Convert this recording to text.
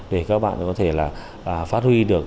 để các bạn có thể là phát huy được